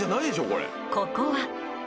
ここは。